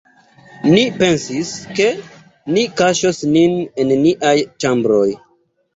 Ni pensis, ke ni kaŝos nin en niaj ĉambroj.